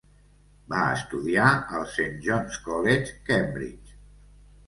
Va estudiar al Saint John's College, Cambridge.